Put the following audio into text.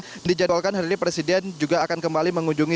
dan juga di jadwalkan hari ini presiden juga akan kembali mengunjungi